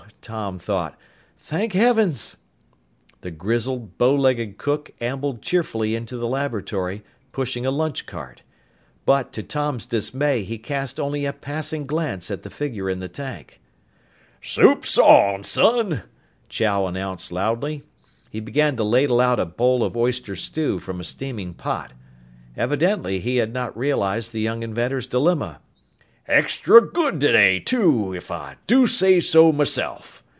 Tom thought. "Thank heavens!" The grizzled, bowlegged cook ambled cheerfully into the laboratory, pushing a lunch cart. But, to Tom's dismay, he cast only a passing glance at the figure in the tank. [Illustration: Tom squirmed desperately to free himself] "Soup's on, son!" Chow announced loudly. He began to ladle out a bowl of oyster stew from a steaming pot. Evidently he had not realized the young inventor's dilemma! "Extra good today too, if I do say so myself!"